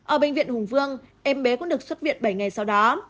ở bệnh viện hùng vương em bé cũng được xuất viện bảy ngày sau đó